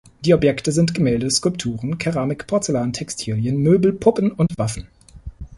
Die Objekte sind Gemälde, Skulpturen, Keramik, Porzellan, Textilien, Möbel, Puppen und Waffen.